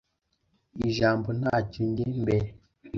Ijambo ntacyo njye mbere